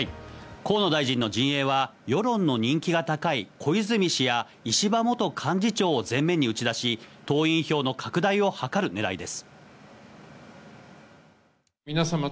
河野大臣の陣営は世論の人気が高い小泉氏や石破元幹事長を前面に打ち出し、党員票の拡大を図る狙いです。